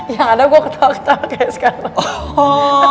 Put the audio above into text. yang ada gue ketawa ketawa kayak sekarang